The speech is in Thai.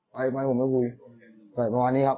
ไปผมไม่ได้คุยแต่ประมาณนี้ครับ